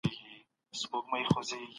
حکومتي نظام باید د خلګو په خدمت کي وي.